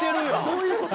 どういう事？